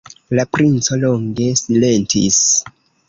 La princo longe silentis.